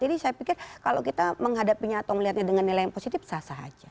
jadi saya pikir kalau kita menghadapinya atau melihatnya dengan nilai yang positif sah sah aja